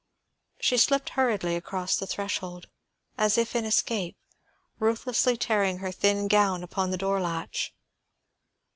She slipped hurriedly across the threshold, as if in escape, ruthlessly tearing her thin gown upon the door latch.